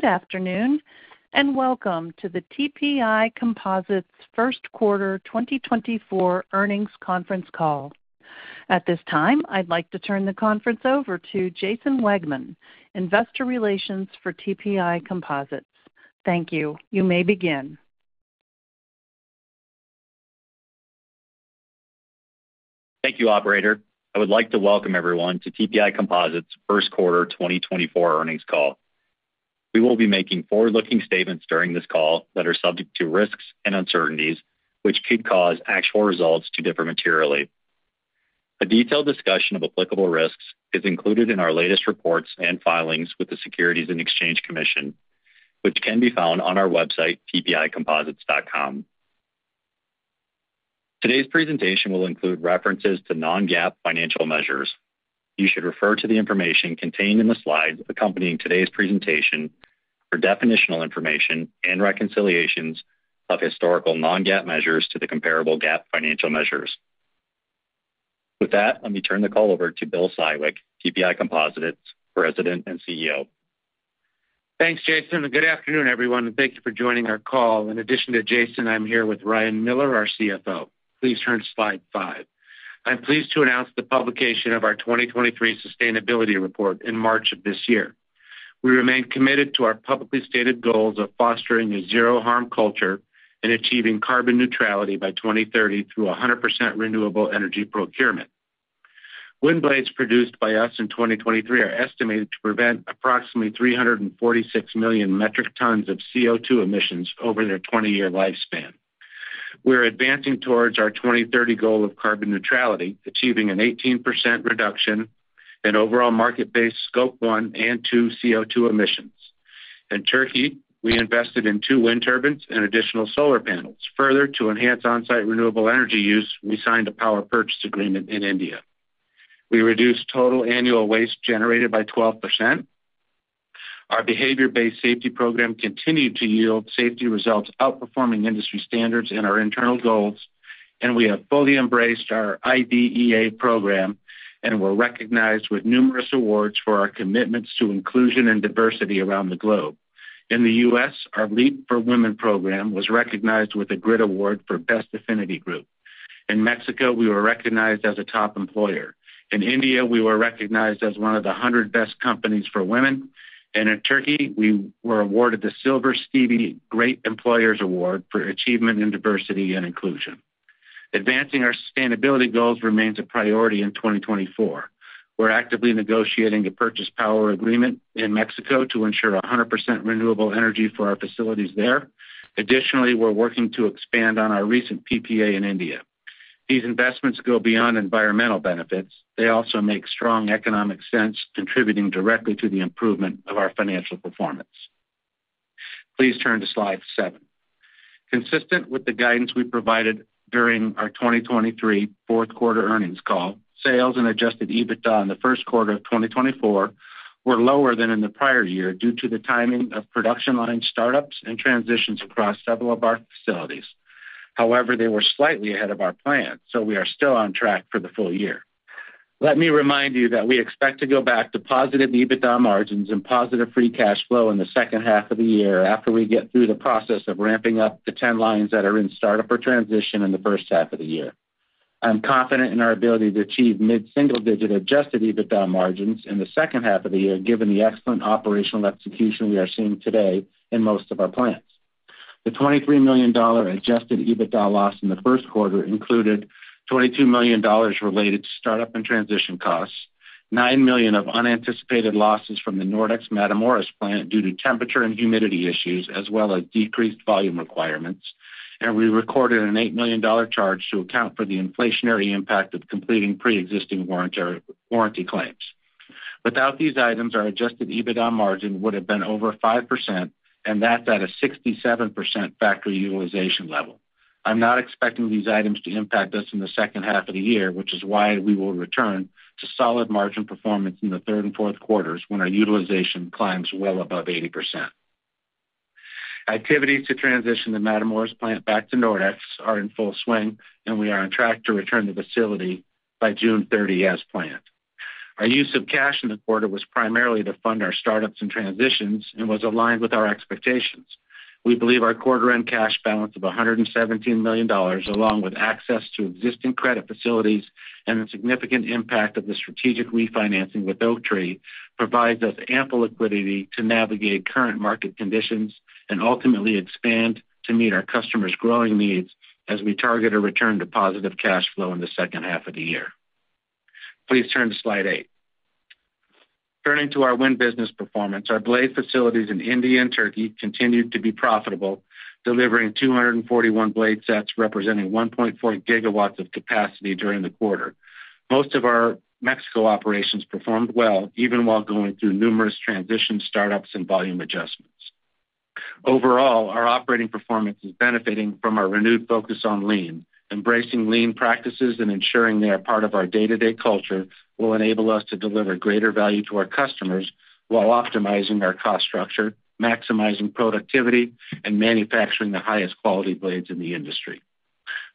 Good afternoon, and welcome to the TPI Composites Q1 2024 Earnings Conference Call. At this time, I'd like to turn the conference over to Jason Wegmann, Investor Relations for TPI Composites. Thank you. You may begin. Thank you, operator. I would like to welcome everyone to TPI Composites Q1 2024 Earnings Call. We will be making forward-looking statements during this call that are subject to risks and uncertainties, which could cause actual results to differ materially. A detailed discussion of applicable risks is included in our latest reports and filings with the Securities and Exchange Commission, which can be found on our website, tpicomposites.com. Today's presentation will include references to non-GAAP financial measures. You should refer to the information contained in the slides accompanying today's presentation for definitional information and reconciliations of historical non-GAAP measures to the comparable GAAP financial measures. With that, let me turn the call over to Bill Siwek, TPI Composites President and CEO. Thanks, Jason, and good afternoon, everyone, and thank you for joining our call. In addition to Jason, I'm here with Ryan Miller, our CFO. Please turn to slide 5. I'm pleased to announce the publication of our 2023 sustainability report in March of this year. We remain committed to our publicly stated goals of fostering a zero-harm culture and achieving carbon neutrality by 2030 through 100% renewable energy procurement. Wind blades produced by us in 2023 are estimated to prevent approximately 346 million metric tons of CO2 emissions over their 20-year lifespan. We're advancing towards our 2030 goal of carbon neutrality, achieving an 18% reduction in overall market-based Scope 1 and 2 CO2 emissions. In Turkey, we invested in two wind turbines and additional solar panels. Further, to enhance on-site renewable energy use, we signed a power purchase agreement in India. We reduced total annual waste generated by 12%. Our behavior-based safety program continued to yield safety results, outperforming industry standards and our internal goals, and we have fully embraced our IDEA program and were recognized with numerous awards for our commitments to inclusion and diversity around the globe. In the U.S., our LEAP for Women program was recognized with a GRIT Award for Best Affinity Group. In Mexico, we were recognized as a top employer. In India, we were recognized as one of the 100 best companies for women, and in Turkey, we were awarded the Silver Stevie Great Employers Award for achievement in diversity and inclusion. Advancing our sustainability goals remains a priority in 2024. We're actively negotiating a power purchase agreement in Mexico to ensure 100% renewable energy for our facilities there. Additionally, we're working to expand on our recent PPA in India. These investments go beyond environmental benefits. They also make strong economic sense, contributing directly to the improvement of our financial performance. Please turn to slide 7. Consistent with the guidance we provided during our 2023 Q4 earnings call, sales and Adjusted EBITDA in the Q1 of 2024 were lower than in the prior year due to the timing of production line startups and transitions across several of our facilities. However, they were slightly ahead of our plan, so we are still on track for the full year. Let me remind you that we expect to go back to positive EBITDA margins and positive free cash flow in the H2 of the year after we get through the process of ramping up the 10 lines that are in startup or transition in the H1 of the year. I'm confident in our ability to achieve mid-single-digit adjusted EBITDA margins in the H2 of the year, given the excellent operational execution we are seeing today in most of our plants. The $23 million adjusted EBITDA loss in the Q1 included $22 million related to startup and transition costs, $9 million of unanticipated losses from the Nordex Matamoros plant due to temperature and humidity issues, as well as decreased volume requirements, and we recorded an $8 million charge to account for the inflationary impact of completing pre-existing warranty, warranty claims. Without these items, our Adjusted EBITDA margin would have been over 5%, and that's at a 67% factory utilization level. I'm not expecting these items to impact us in the H2 of the year, which is why we will return to solid margin performance in the third and Q4s, when our utilization climbs well above 80%. Activities to transition the Matamoros plant back to Nordex are in full swing, and we are on track to return the facility by June 30, as planned. Our use of cash in the quarter was primarily to fund our startups and transitions and was aligned with our expectations. We believe our quarter-end cash balance of $117 million, along with access to existing credit facilities and the significant impact of the strategic refinancing with Oaktree, provides us ample liquidity to navigate current market conditions and ultimately expand to meet our customers' growing needs as we target a return to positive cash flow in the H2 of the year. Please turn to slide 8. Turning to our wind business performance, our blade facilities in India and Turkey continued to be profitable, delivering 241 blade sets, representing 1.4 gigawatts of capacity during the quarter. Most of our Mexico operations performed well, even while going through numerous transition startups and volume adjustments. Overall, our operating performance is benefiting from our renewed focus on lean. Embracing lean practices and ensuring they are part of our day-to-day culture will enable us to deliver greater value to our customers while optimizing our cost structure, maximizing productivity, and manufacturing the highest quality blades in the industry.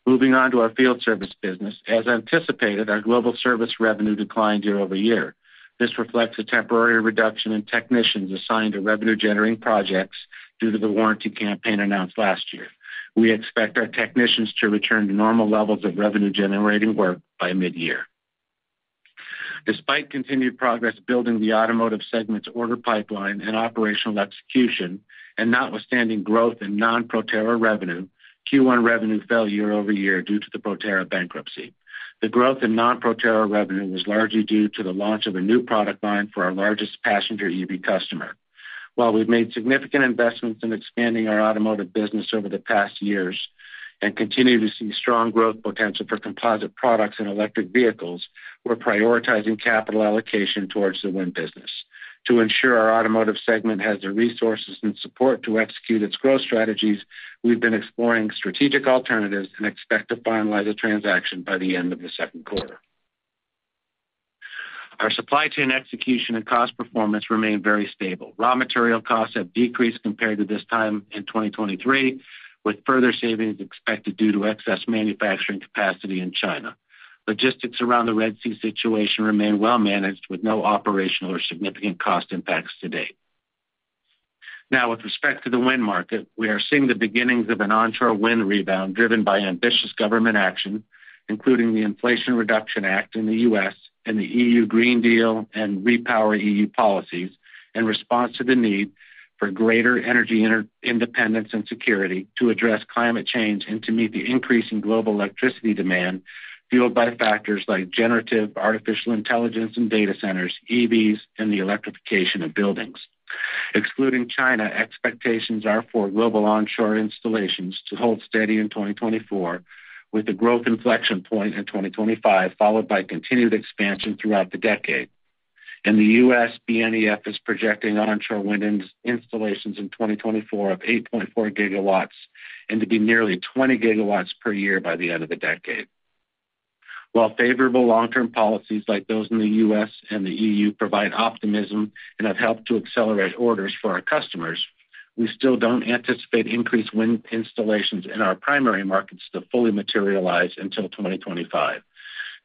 Moving on to our field service business. As anticipated, our global service revenue declined year-over-year. This reflects a temporary reduction in technicians assigned to revenue-generating projects due to the warranty campaign announced last year. We expect our technicians to return to normal levels of revenue-generating work by mid-year. Despite continued progress building the automotive segment's order pipeline and operational execution, and notwithstanding growth in non-Proterra revenue, Q1 revenue fell year-over-year due to the Proterra bankruptcy. The growth in non-Proterra revenue was largely due to the launch of a new product line for our largest passenger EV customer. While we've made significant investments in expanding our automotive business over the past years and continue to see strong growth potential for composite products and electric vehicles, we're prioritizing capital allocation towards the wind business. To ensure our automotive segment has the resources and support to execute its growth strategies, we've been exploring strategic alternatives and expect to finalize a transaction by the end of the Q2. Our supply chain execution and cost performance remain very stable. Raw material costs have decreased compared to this time in 2023, with further savings expected due to excess manufacturing capacity in China. Logistics around the Red Sea situation remain well managed, with no operational or significant cost impacts to date. Now, with respect to the wind market, we are seeing the beginnings of an onshore wind rebound, driven by ambitious government action, including the Inflation Reduction Act in the U.S., and the EU Green Deal and REPowerEU policies, in response to the need for greater energy independence and security to address climate change and to meet the increase in global electricity demand, fueled by factors like generative artificial intelligence and data centers, EVs, and the electrification of buildings. Excluding China, expectations are for global onshore installations to hold steady in 2024, with the growth inflection point in 2025, followed by continued expansion throughout the decade. In the U.S., BNEF is projecting onshore wind installations in 2024 of 8.4 GW, and to be nearly 20 GW per year by the end of the decade. While favorable long-term policies like those in the U.S. and the EU provide optimism and have helped to accelerate orders for our customers, we still don't anticipate increased wind installations in our primary markets to fully materialize until 2025.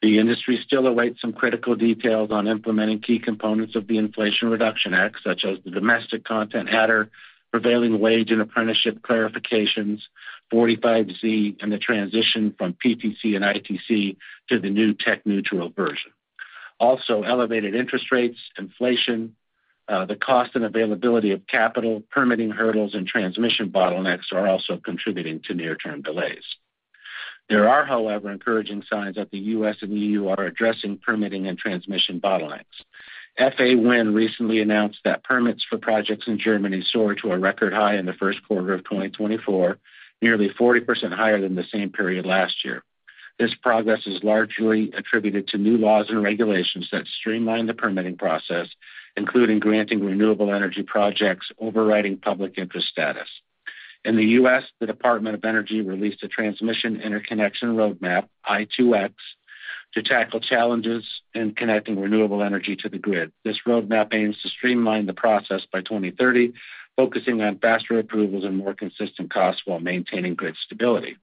The industry still awaits some critical details on implementing key components of the Inflation Reduction Act, such as the domestic content adder, prevailing wage and apprenticeship clarifications, 45Z, and the transition from PTC and ITC to the new tech-neutral version. Also, elevated interest rates, inflation, the cost and availability of capital, permitting hurdles, and transmission bottlenecks are also contributing to near-term delays. There are, however, encouraging signs that the U.S. and EU are addressing permitting and transmission bottlenecks. FA Wind recently announced that permits for projects in Germany soared to a record high in the Q1 of 2024, nearly 40% higher than the same period last year. This progress is largely attributed to new laws and regulations that streamline the permitting process, including granting renewable energy projects overriding public interest status. In the U.S., the Department of Energy released a transmission interconnection roadmap, i2X, to tackle challenges in connecting renewable energy to the grid. This roadmap aims to streamline the process by 2030, focusing on faster approvals and more consistent costs while maintaining grid stability.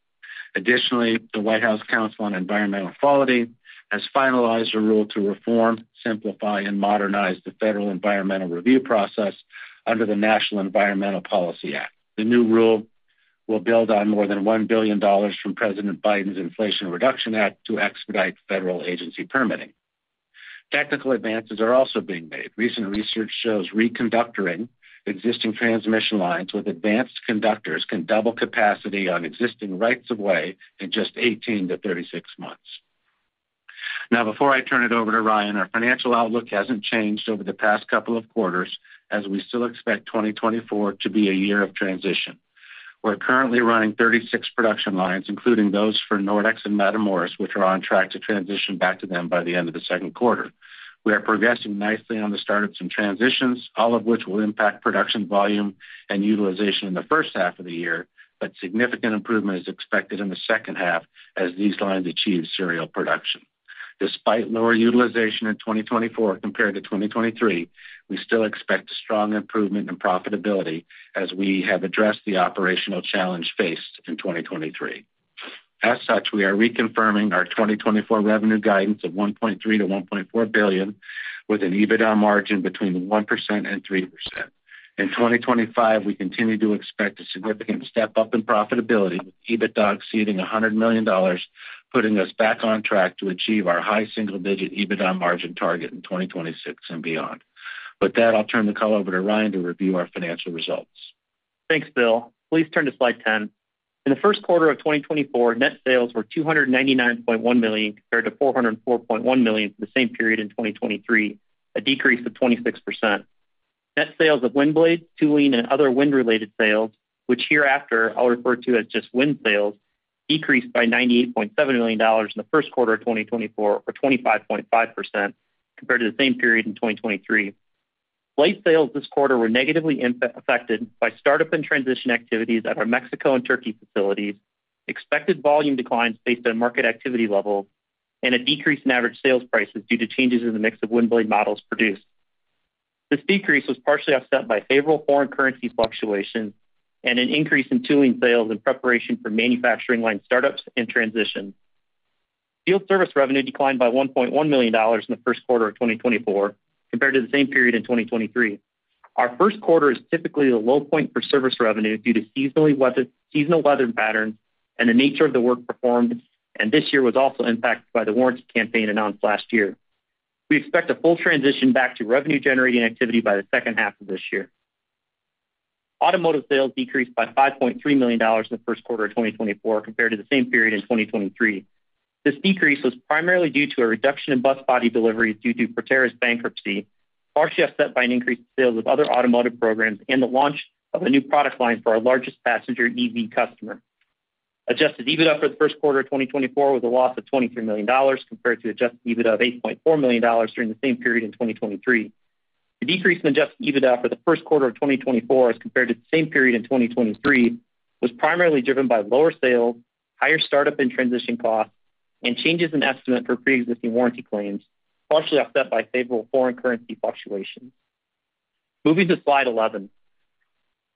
Additionally, the White House Council on Environmental Quality has finalized a rule to reform, simplify, and modernize the federal environmental review process under the National Environmental Policy Act. The new rule will build on more than $1 billion from President Biden's Inflation Reduction Act to expedite federal agency permitting. Technical advances are also being made. Recent research shows re-conductoring existing transmission lines with advanced conductors can double capacity on existing rights of way in just 18-36 months. Now, before I turn it over to Ryan, our financial outlook hasn't changed over the past couple of quarters, as we still expect 2024 to be a year of transition. We're currently running 36 production lines, including those for Nordex and Matamoros, which are on track to transition back to them by the end of the Q2. We are progressing nicely on the startups and transitions, all of which will impact production volume and utilization in the H1 of the year, but significant improvement is expected in the H2 as these lines achieve serial production. Despite lower utilization in 2024 compared to 2023, we still expect a strong improvement in profitability as we have addressed the operational challenge faced in 2023. As such, we are reconfirming our 2024 revenue guidance of $1.3 billion-$1.4 billion, with an EBITDA margin between 1% and 3%. In 2025, we continue to expect a significant step-up in profitability, with EBITDA exceeding $100 million, putting us back on track to achieve our high single-digit EBITDA margin target in 2026 and beyond. With that, I'll turn the call over to Ryan to review our financial results. Thanks, Bill. Please turn to slide 10. In the Q1 of 2024, net sales were $299.1 million, compared to $404.1 million for the same period in 2023, a decrease of 26%. Net sales of wind blades, tooling, and other wind-related sales, which hereafter I'll refer to as just wind sales, decreased by $98.7 million in the Q1 of 2024 or 25.5% compared to the same period in 2023. Blade sales this quarter were negatively affected by startup and transition activities at our Mexico and Turkey facilities, expected volume declines based on market activity level, and a decrease in average sales prices due to changes in the mix of wind blade models produced.... This decrease was partially offset by favorable foreign currency fluctuations and an increase in tooling sales in preparation for manufacturing line startups and transition. Field service revenue declined by $1.1 million in the Q1 of 2024 compared to the same period in 2023. Our Q1 is typically the low point for service revenue due to seasonal weather patterns and the nature of the work performed, and this year was also impacted by the warranty campaign announced last year. We expect a full transition back to revenue-generating activity by the H2 of this year. Automotive sales decreased by $5.3 million in the Q1 of 2024 compared to the same period in 2023. This decrease was primarily due to a reduction in bus body deliveries due to Proterra's bankruptcy, partially offset by an increase in sales of other automotive programs and the launch of a new product line for our largest passenger EV customer. Adjusted EBITDA for the Q1 of 2024 was a loss of $23 million compared to adjusted EBITDA of $8.4 million during the same period in 2023. The decrease in adjusted EBITDA for the Q1 of 2024 as compared to the same period in 2023 was primarily driven by lower sales, higher startup and transition costs, and changes in estimate for pre-existing warranty claims, partially offset by favorable foreign currency fluctuations. Moving to slide 11.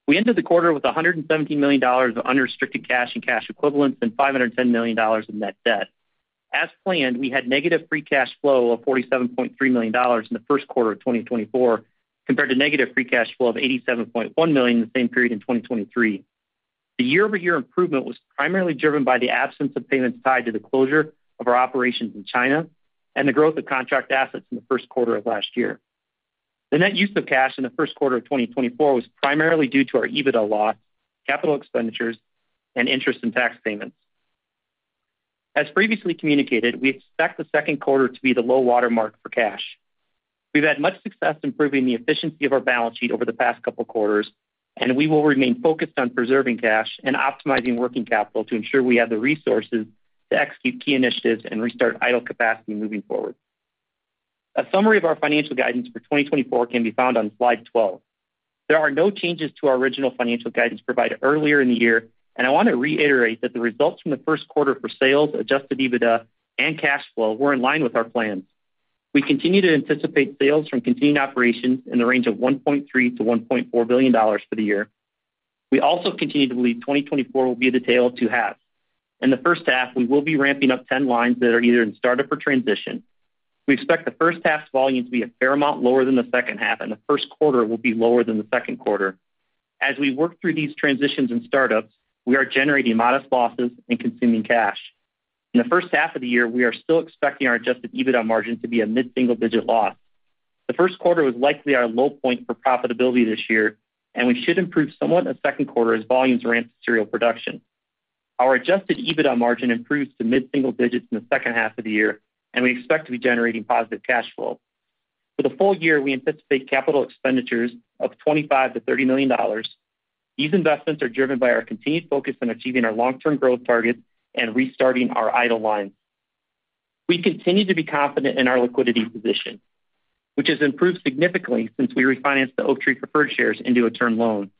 We ended the quarter with $117 million of unrestricted cash and cash equivalents and $510 million in net debt. As planned, we had negative free cash flow of $47.3 million in the Q1 of 2024, compared to negative free cash flow of $87.1 million in the same period in 2023. The year-over-year improvement was primarily driven by the absence of payments tied to the closure of our operations in China and the growth of contract assets in the Q1 of last year. The net use of cash in the Q1 of 2024 was primarily due to our EBITDA loss, capital expenditures, and interest in tax payments. As previously communicated, we expect the Q2 to be the low water mark for cash. We've had much success improving the efficiency of our balance sheet over the past couple quarters, and we will remain focused on preserving cash and optimizing working capital to ensure we have the resources to execute key initiatives and restart idle capacity moving forward. A summary of our financial guidance for 2024 can be found on slide 12. There are no changes to our original financial guidance provided earlier in the year, and I want to reiterate that the results from the Q1 for sales, Adjusted EBITDA, and cash flow were in line with our plans. We continue to anticipate sales from continuing operations in the range of $1.3 billion-$1.4 billion for the year. We also continue to believe 2024 will be a tale of two halves. In the H1, we will be ramping up 10 lines that are either in startup or transition. We expect the H1's volume to be a fair amount lower than the H2, and the Q1 will be lower than the Q2. As we work through these transitions and startups, we are generating modest losses and consuming cash. In the H1 of the year, we are still expecting our Adjusted EBITDA margin to be a mid-single-digit loss. The Q1 was likely our low point for profitability this year, and we should improve somewhat in the Q2 as volumes ramp to serial production. Our Adjusted EBITDA margin improves to mid-single digits in the H2 of the year, and we expect to be generating positive cash flow. For the full year, we anticipate capital expenditures of $25 million-$30 million. These investments are driven by our continued focus on achieving our long-term growth targets and restarting our idle lines. We continue to be confident in our liquidity position, which has improved significantly since we refinanced the Oaktree preferred shares into a term loan.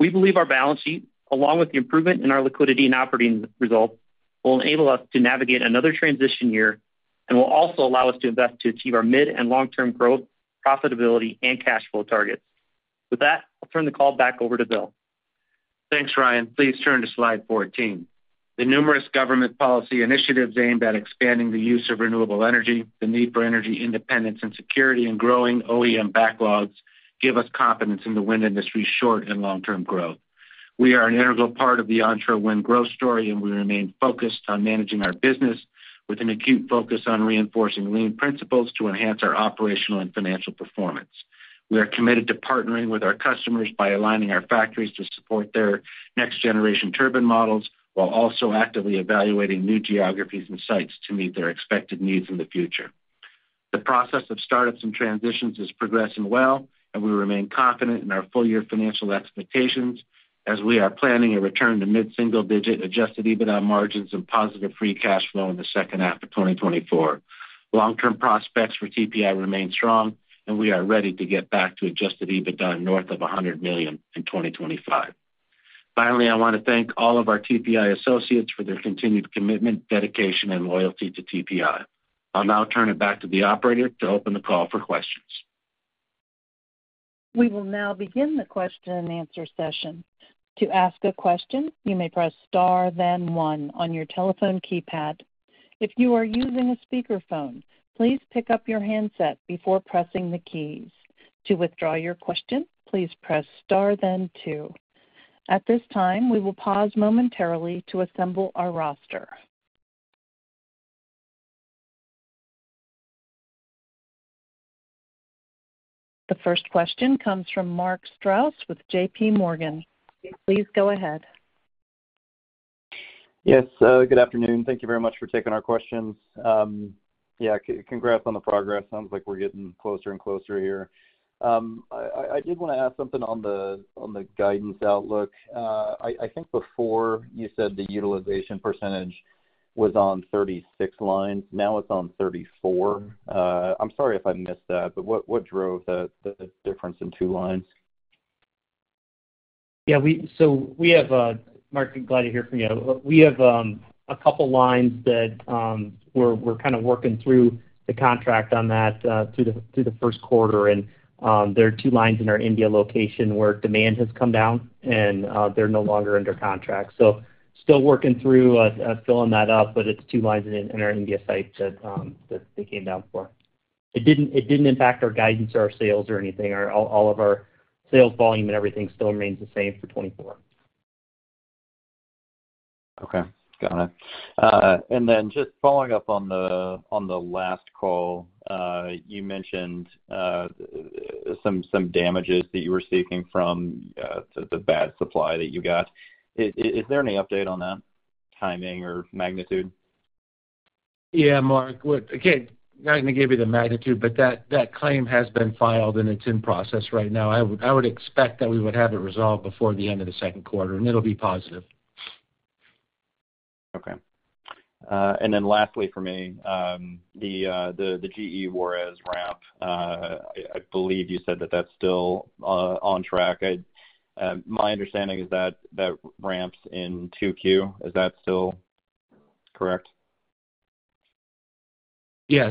We believe our balance sheet, along with the improvement in our liquidity and operating results, will enable us to navigate another transition year and will also allow us to invest to achieve our mid and long-term growth, profitability, and cash flow targets. With that, I'll turn the call back over to Bill. Thanks, Ryan. Please turn to slide 14. The numerous government policy initiatives aimed at expanding the use of renewable energy, the need for energy independence and security, and growing OEM backlogs give us confidence in the wind industry's short- and long-term growth. We are an integral part of the onshore wind growth story, and we remain focused on managing our business with an acute focus on reinforcing lean principles to enhance our operational and financial performance. We are committed to partnering with our customers by aligning our factories to support their next-generation turbine models, while also actively evaluating new geographies and sites to meet their expected needs in the future. The process of startups and transitions is progressing well, and we remain confident in our full-year financial expectations as we are planning a return to mid-single-digit adjusted EBITDA margins and positive free cash flow in the H2 of 2024. Long-term prospects for TPI remain strong, and we are ready to get back to adjusted EBITDA north of $100 million in 2025. Finally, I want to thank all of our TPI associates for their continued commitment, dedication, and loyalty to TPI. I'll now turn it back to the operator to open the call for questions. We will now begin the question-and-answer session. To ask a question, you may press star, then one on your telephone keypad. If you are using a speakerphone, please pick up your handset before pressing the keys. To withdraw your question, please press star then two. At this time, we will pause momentarily to assemble our roster. The first question comes from Mark Strouse with JPMorgan. Please go ahead. Yes, good afternoon. Thank you very much for taking our questions. Yeah, congrats on the progress. Sounds like we're getting closer and closer here. I did want to ask something on the guidance outlook. I think before, you said the utilization percentage was on 36 lines. Now it's on 34. I'm sorry if I missed that, but what drove the difference in 2 lines? ... Yeah, we, so we have, Mark, I'm glad to hear from you. We have a couple lines that we're kind of working through the contract on that through the Q1. And there are two lines in our India location where demand has come down, and they're no longer under contract. So still working through filling that up, but it's two lines in our India site that they came down for. It didn't impact our guidance or our sales or anything. Our all of our sales volume and everything still remains the same for 2024. Okay, got it. And then, just following up on the last call, you mentioned some damages that you were seeking from the bad supply that you got. Is there any update on that timing or magnitude? Yeah, Mark, look, again, not gonna give you the magnitude, but that, that claim has been filed, and it's in process right now. I would, I would expect that we would have it resolved before the end of the Q2, and it'll be positive. Okay. And then lastly for me, the GE Juarez ramp, I believe you said that that's still on track. My understanding is that that ramps in 2Q. Is that still correct? Yeah.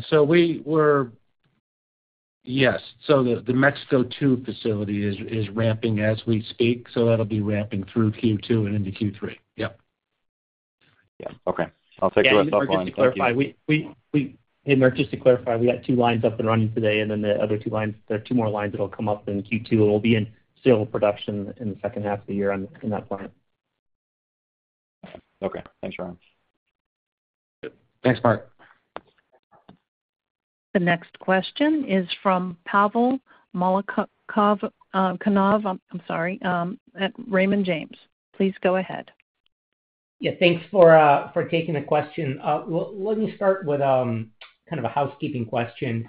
Yes, so the Mexico 2 facility is ramping as we speak, so that'll be ramping through Q2 and into Q3. Yep. Yeah, okay. I'll take the rest offline. Yeah, and just to clarify, hey, Mark, just to clarify, we got 2 lines up and running today, and then the other 2 lines, there are 2 more lines that'll come up in Q2, and we'll be in serial production in the H2 of the year online in that plant. Okay. Thanks, Ryan. Thanks, Mark. The next question is from Pavel Molchanov, I'm sorry, at Raymond James. Please go ahead. Yeah, thanks for taking the question. Well, let me start with kind of a housekeeping question.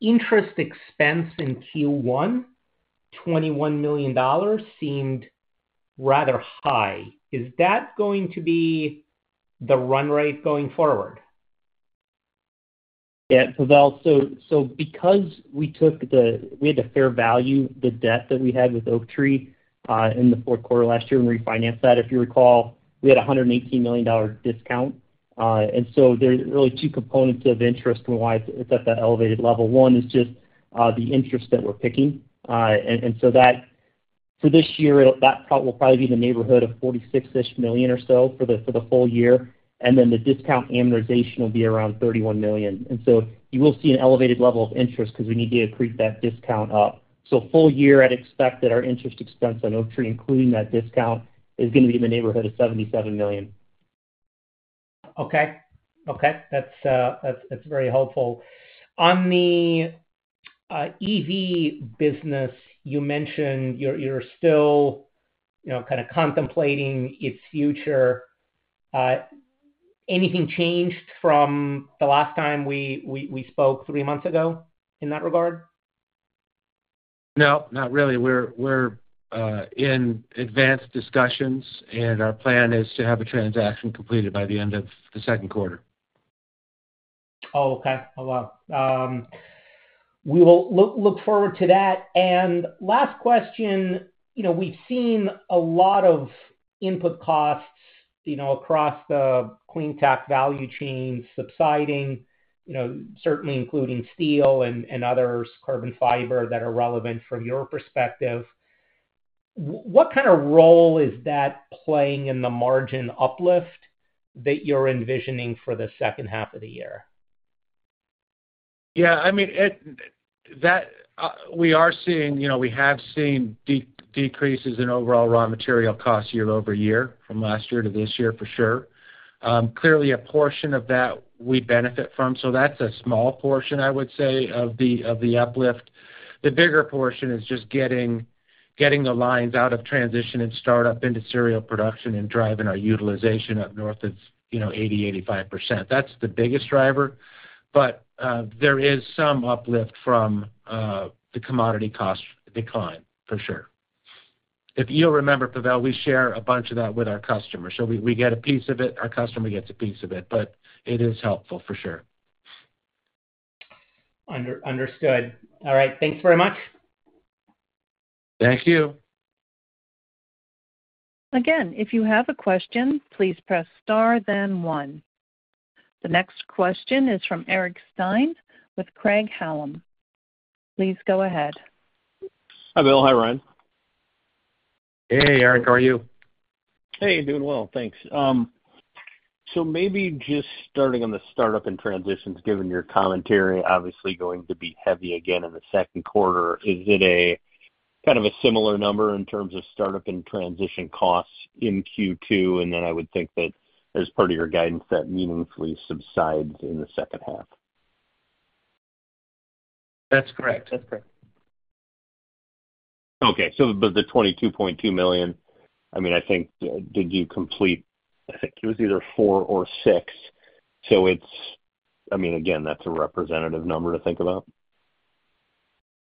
Interest expense in Q1, $21 million seemed rather high. Is that going to be the run rate going forward? Yeah, Pavel, so because we took the -- we had to fair value the debt that we had with Oaktree, in the Q4 last year and refinanced that, if you recall, we had a $118 million discount. And so there are really two components of interest and why it's at that elevated level. One is just the interest that we're picking. And so that, for this year, it'll -- that cost will probably be in the neighborhood of $46-ish million or so for the full year, and then the discount amortization will be around $31 million. And so you will see an elevated level of interest because we need to accrete that discount up. So full year, I'd expect that our interest expense on Oaktree, including that discount, is gonna be in the neighborhood of $77 million. Okay. Okay, that's very helpful. On the EV business, you mentioned you're still, you know, kind of contemplating its future. Anything changed from the last time we spoke three months ago in that regard? No, not really. We're in advanced discussions, and our plan is to have a transaction completed by the end of the Q2. Oh, okay. Well, we will look forward to that. Last question, you know, we've seen a lot of input costs, you know, across the clean tech value chain subsiding, you know, certainly including steel and others, carbon fiber, that are relevant from your perspective. What kind of role is that playing in the margin uplift that you're envisioning for the H2 of the year? Yeah, I mean, it, that we are seeing, you know, we have seen decreases in overall raw material costs year-over-year from last year to this year, for sure. Clearly, a portion of that we benefit from. So that's a small portion, I would say, of the uplift. The bigger portion is just getting the lines out of transition and startup into serial production and driving our utilization up north of, you know, 80-85%. That's the biggest driver. But there is some uplift from the commodity cost decline, for sure. If you'll remember, Pavel, we share a bunch of that with our customers. So we get a piece of it, our customer gets a piece of it, but it is helpful, for sure. Understood. All right. Thanks very much. Thank you. Again, if you have a question, please press star, then one. The next question is from Eric Stine with Craig-Hallum. Please go ahead. Hi, Bill. Hi, Ryan. Hey, Eric. How are you? Hey, doing well, thanks. So maybe just starting on the startup and transitions, given your commentary, obviously going to be heavy again in the Q2. Is it a kind of a similar number in terms of startup and transition costs in Q2? And then I would think that as part of your guidance, that meaningfully subsides in the H2. That's correct. That's correct. Okay. So but the $22.2 million, I mean, I think, did you complete—I think it was either four or six. So it's—I mean, again, that's a representative number to think about?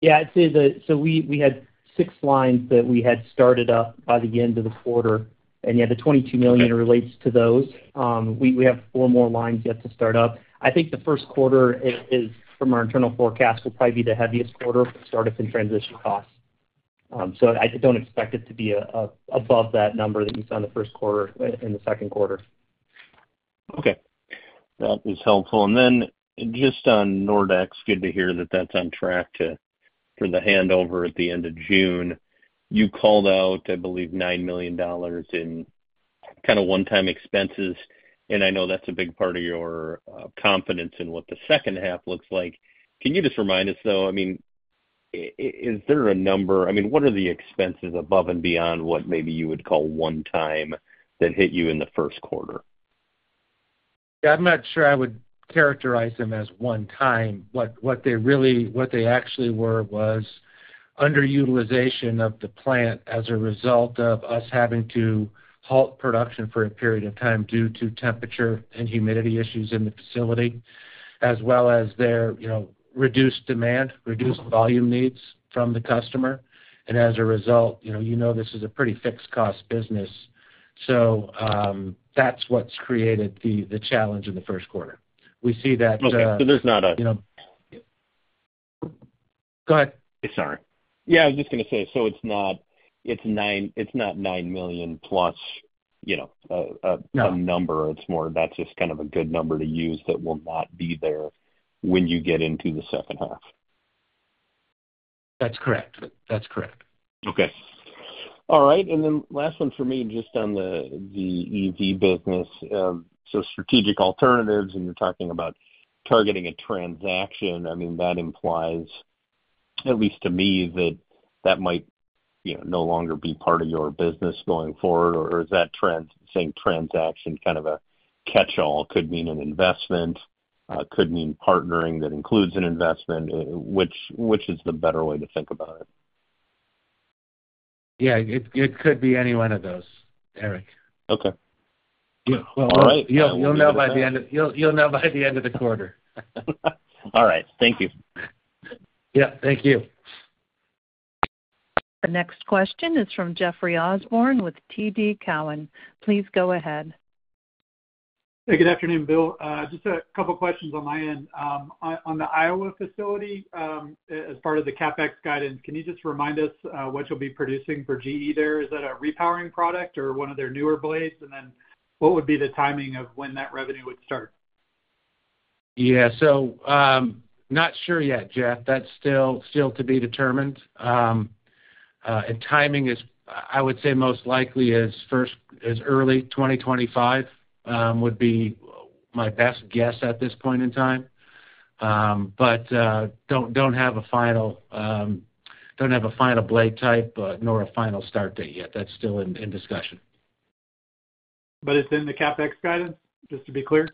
Yeah, I'd say the so we had six lines that we had started up by the end of the quarter. Yeah, the $22 million relates to those. We have four more lines yet to start up. I think the Q1 is from our internal forecast, will probably be the heaviest quarter for startup and transition costs. So I don't expect it to be above that number that you saw in the Q1, in the Q2.... Okay, that is helpful. And then just on Nordex, good to hear that that's on track to for the handover at the end of June. You called out, I believe, $9 million in kind of one-time expenses, and I know that's a big part of your confidence in what the H2 looks like. Can you just remind us, though? I mean, is there a number—I mean, what are the expenses above and beyond what maybe you would call one time that hit you in the Q1? Yeah, I'm not sure I would characterize them as one time. What they actually were was underutilization of the plant as a result of us having to halt production for a period of time due to temperature and humidity issues in the facility, as well as their, you know, reduced demand, reduced volume needs from the customer. And as a result, you know, you know this is a pretty fixed cost business. So, that's what's created the challenge in the Q1. We see that- Okay, so there's not a- You know... Go ahead. Sorry. Yeah, I was just gonna say, so it's not $9 million plus, you know. No. a number. It's more that's just kind of a good number to use that will not be there when you get into the H2. That's correct. That's correct. Okay. All right, and then last one for me, just on the EV business. So strategic alternatives, and you're talking about targeting a transaction. I mean, that implies, at least to me, that that might, you know, no longer be part of your business going forward. Or is that saying transaction kind of a catchall? Could mean an investment, could mean partnering that includes an investment. Which is the better way to think about it? Yeah, it could be any one of those, Eric. Okay. Yeah. All right. You'll know by the end of the quarter. All right. Thank you. Yeah, thank you. The next question is from Jeffrey Osborne with TD Cowen. Please go ahead. Hey, good afternoon, Bill. Just a couple questions on my end. On, on the Iowa facility, as part of the CapEx guidance, can you just remind us, what you'll be producing for GE there? Is that a repowering product or one of their newer blades? And then what would be the timing of when that revenue would start? Yeah. Not sure yet, Jeff. That's still to be determined. And timing is, I would say, most likely first as early 2025, would be my best guess at this point in time. But don't have a final blade type, nor a final start date yet. That's still in discussion. It's in the CapEx guidance, just to be clear?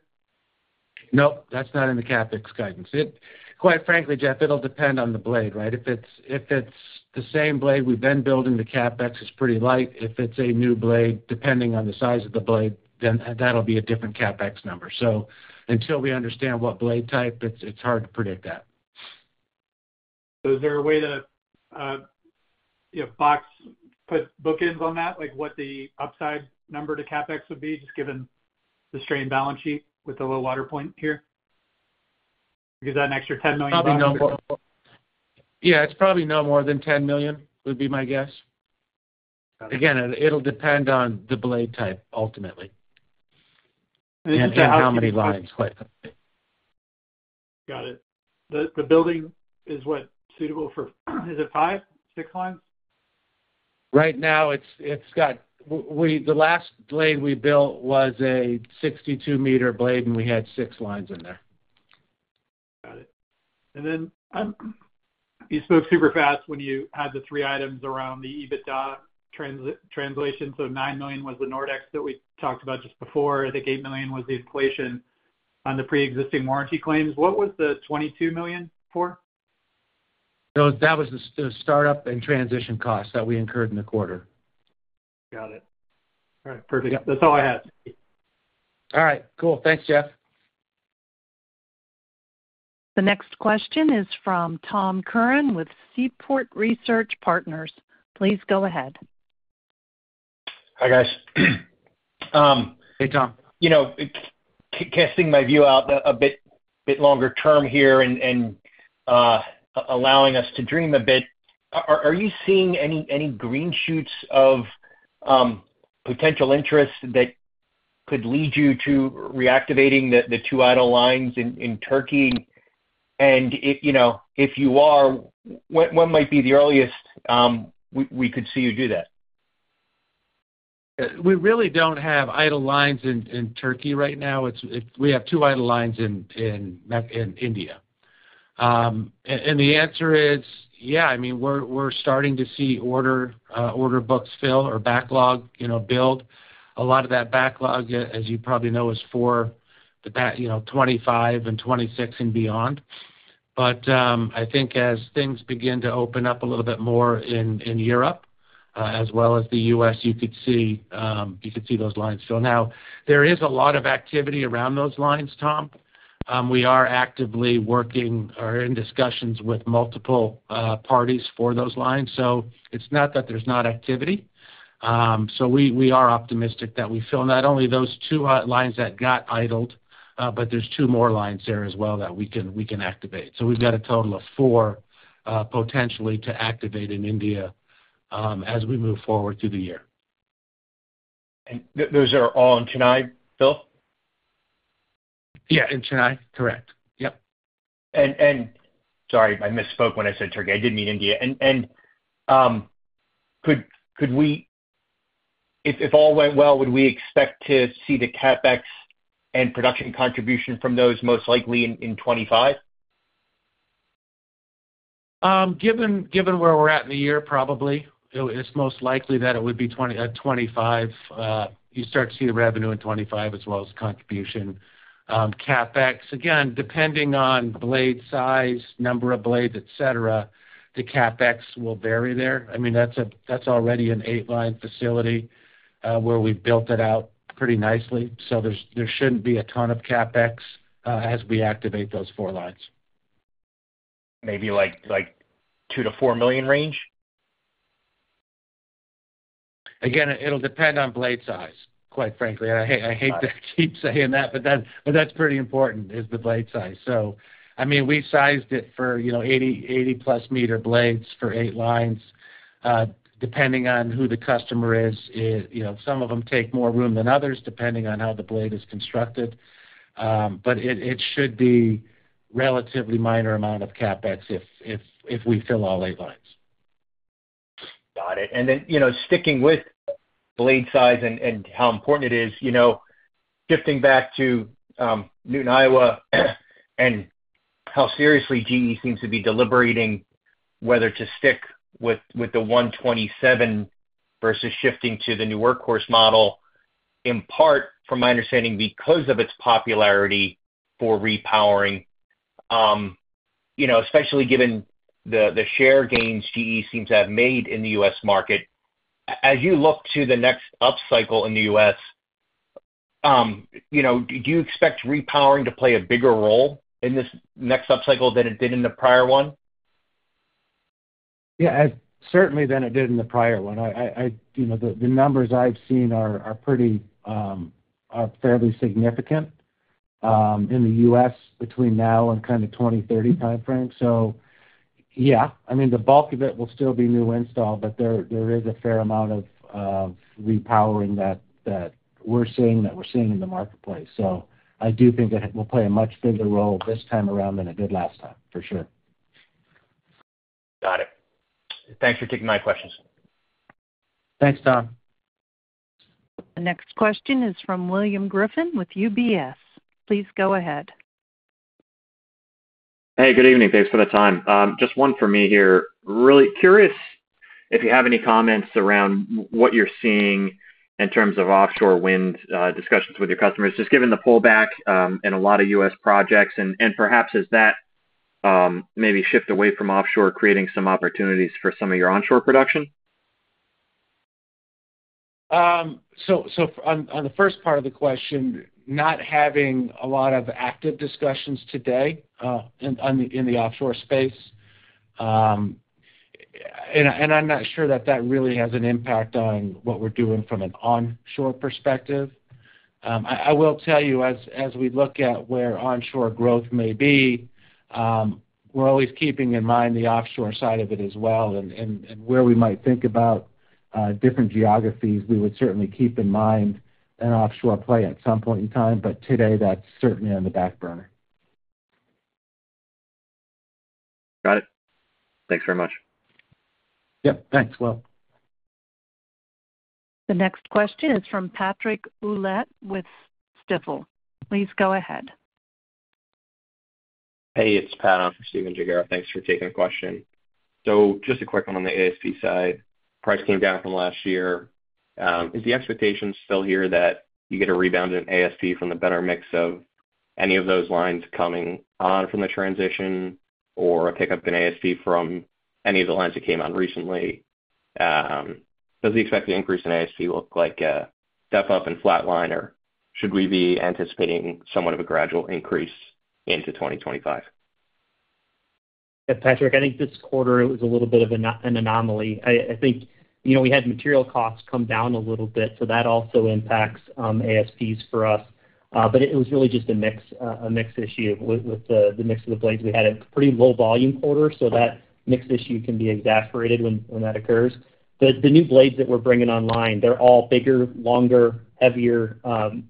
Nope, that's not in the CapEx guidance. It, quite frankly, Jeff, it'll depend on the blade, right? If it's the same blade we've been building, the CapEx is pretty light. If it's a new blade, depending on the size of the blade, then that'll be a different CapEx number. So until we understand what blade type, it's hard to predict that. So is there a way to, you know, box, put bookends on that, like, what the upside number to CapEx would be, just given the strained balance sheet with the low water point here? Is that an extra $10 million? Probably no more. Yeah, it's probably no more than $10 million, would be my guess. Got it. Again, it'll depend on the blade type, ultimately. And just- On how many lines Got it. The building is what? Suitable for, is it five, six lines? Right now, it's got the last blade we built was a 62-meter blade, and we had six lines in there. Got it. And then, you spoke super fast when you had the three items around the EBITDA translation. So $9 million was the Nordex that we talked about just before. The $8 million was the equation on the pre-existing warranty claims. What was the $22 million for? That was the startup and transition costs that we incurred in the quarter. Got it. All right, perfect. Yeah. That's all I had. All right, cool. Thanks, Jeff. The next question is from Tom Curran with Seaport Research Partners. Please go ahead. Hi, guys. Hey, Tom. You know, casting my view out a bit longer term here and allowing us to dream a bit, are you seeing any green shoots of potential interest that could lead you to reactivating the two idle lines in Turkey? And if you know, if you are, when might be the earliest we could see you do that? We really don't have idle lines in Turkey right now. We have two idle lines in India. And the answer is yeah. I mean, we're starting to see order books fill or backlog, you know, build. A lot of that backlog, as you probably know, is for the, you know, 2025 and 2026 and beyond. But I think as things begin to open up a little bit more in Europe, as well as the U.S., you could see those lines fill. Now, there is a lot of activity around those lines, Tom. We are actively working or in discussions with multiple parties for those lines, so it's not that there's not activity. So we are optimistic that we fill not only those 2 lines that got idled, but there's 2 more lines there as well that we can activate. So we've got a total of 4 potentially to activate in India, as we move forward through the year. Those are all in Chennai, Bill? Yeah, in Chennai. Correct. Yep. Sorry, I misspoke when I said Turkey. I did mean India. And, could we—if all went well, would we expect to see the CapEx and production contribution from those most likely in 2025? Given, given where we're at in the year, probably. It, it's most likely that it would be 2025. You start to see the revenue in 2025, as well as contribution. CapEx, again, depending on blade size, number of blades, et cetera, the CapEx will vary there. I mean, that's already an 8-line facility, where we've built it out pretty nicely, so there shouldn't be a ton of CapEx, as we activate those 4 lines. Maybe like, like $2 million-$4 million range? Again, it'll depend on blade size, quite frankly. I hate to keep saying that, but that, but that's pretty important, is the blade size. So, I mean, we sized it for, you know, 80, 80-plus meter blades for eight lines. Depending on who the customer is, it... You know, some of them take more room than others, depending on how the blade is constructed. But it, it should be relatively minor amount of CapEx if we fill all eight lines. Got it. And then, you know, sticking with blade size and how important it is, you know, shifting back to Newton, Iowa, and how seriously GE seems to be deliberating whether to stick with the 127 versus shifting to the new workhorse model, in part, from my understanding, because of its popularity for repowering. You know, especially given the share gains GE seems to have made in the U.S. market, as you look to the next upcycle in the U.S., you know, do you expect repowering to play a bigger role in this next upcycle than it did in the prior one? Yeah. Certainly than it did in the prior one. I... You know, the numbers I've seen are pretty are fairly significant in the US between now and kind of 2030 timeframe. So yeah, I mean, the bulk of it will still be new install, but there is a fair amount of repowering that we're seeing in the marketplace. So I do think it will play a much bigger role this time around than it did last time, for sure. Got it. Thanks for taking my questions. Thanks, Tom. The next question is from William Grippin with UBS. Please go ahead. Hey, good evening. Thanks for the time. Just one for me here. Really curious if you have any comments around what you're seeing in terms of offshore wind, discussions with your customers, just given the pullback in a lot of U.S. projects and, perhaps has that maybe shift away from offshore, creating some opportunities for some of your onshore production? So on the first part of the question, not having a lot of active discussions today in the offshore space. And I'm not sure that that really has an impact on what we're doing from an onshore perspective. I will tell you, as we look at where onshore growth may be, we're always keeping in mind the offshore side of it as well, and where we might think about different geographies. We would certainly keep in mind an offshore play at some point in time, but today that's certainly on the back burner. Got it. Thanks very much. Yep. Thanks, Will. The next question is from Patrick Ouellette with Stifel. Please go ahead. Hey, it's Pat, for Stephen Gengaro. Thanks for taking the question. So just a quick one on the ASP side. Price came down from last year. Is the expectation still here that you get a rebound in ASP from the better mix of any of those lines coming on from the transition, or a pickup in ASP from any of the lines that came out recently? Does the expected increase in ASP look like a step up and flat line, or should we be anticipating somewhat of a gradual increase into 2025? Yeah, Patrick, I think this quarter it was a little bit of an anomaly. I think, you know, we had material costs come down a little bit, so that also impacts ASPs for us. But it was really just a mix, a mix issue with the mix of the blades. We had a pretty low volume quarter, so that mix issue can be exacerbated when that occurs. The new blades that we're bringing online, they're all bigger, longer, heavier,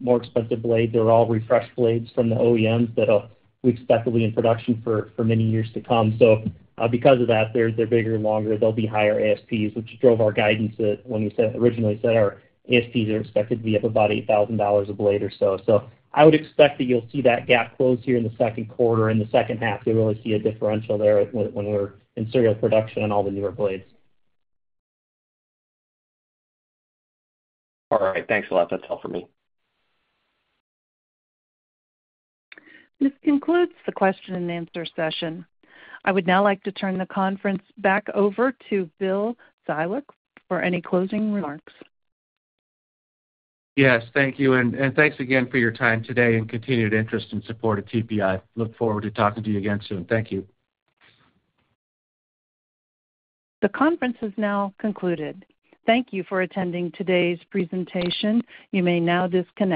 more expensive blades. They're all refreshed blades from the OEMs that are expected to be in production for many years to come. So, because of that, they're bigger and longer. They'll be higher ASPs, which drove our guidance when we said... Originally said our ASPs are expected to be up about $8,000 a blade or so. So I would expect that you'll see that gap close here in the Q2. In the H2, you'll really see a differential there when, when we're in serial production on all the newer blades. All right. Thanks a lot. That's all for me. This concludes the question and answer session. I would now like to turn the conference back over to Bill Siwek for any closing remarks. Yes, thank you. And, thanks again for your time today and continued interest and support of TPI. Look forward to talking to you again soon. Thank you. The conference has now concluded. Thank you for attending today's presentation. You may now disconnect.